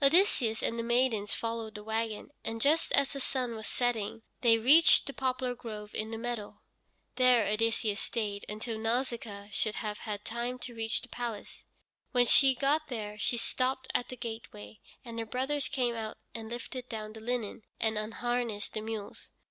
Odysseus and the maidens followed the wagon, and just as the sun was setting they reached the poplar grove in the meadow. There Odysseus stayed until Nausicaa should have had time to reach the palace. When she got there, she stopped at the gateway, and her brothers came out and lifted down the linen, and unharnessed the mules.